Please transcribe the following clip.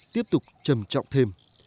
tiếp tục trầm trọng thêm